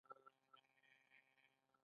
کله چې یو پانګوال یوه اندازه سپما ولري